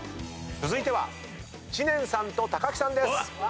続いては知念さんと木さんです。